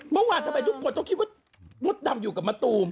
เมื่อวานทำไมทุกคนต้องคิดว่ามดดำอยู่กับมะตูม